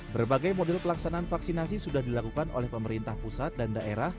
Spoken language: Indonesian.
berbagai model pelaksanaan vaksinasi sudah dilakukan oleh pemerintah pusat dan daerah